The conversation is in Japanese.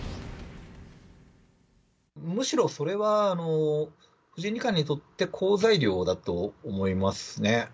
むしろそれは、藤井二冠にとって、好材料だと思いますね。